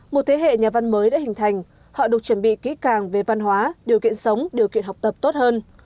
một thế hệ nhà văn mới đã hình thành họ được chuẩn bị kỹ càng về văn hóa điều kiện sống điều kiện học tập tốt hơn